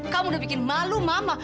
kamu udah bikin malu mama